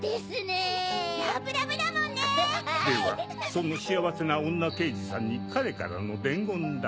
その幸せな女刑事さんに彼からの伝言だ。